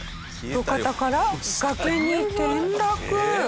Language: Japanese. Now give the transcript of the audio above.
路肩から崖に転落。